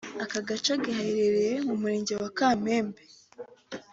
Aka gace gaherereye mu murenge wa Kamembe